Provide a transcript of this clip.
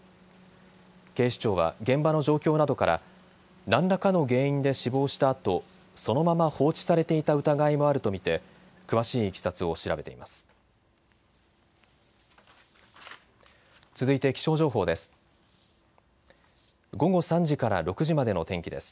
警視庁は現場の状況などから何らかの原因で死亡したあとそのまま放置されていた疑いもあると見て詳しいいきさつを調べています。